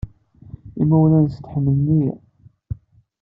Imawlan-nsent ḥemmlen-iyi.